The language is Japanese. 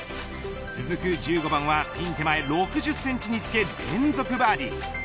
続く１５番はピン手前６０センチにつけ連続バーディー。